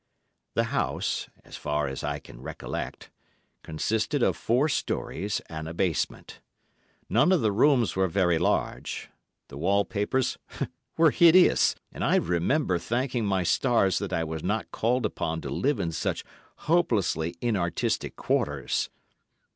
The house, as far as I can recollect, consisted of four storeys and a basement. None of the rooms were very large; the wall papers were hideous, and I remember thanking my stars that I was not called upon to live in such hopelessly inartistic quarters.